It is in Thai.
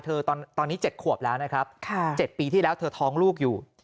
ตอนนี้๗ขวบแล้วนะครับ๗ปีที่แล้วเธอท้องลูกอยู่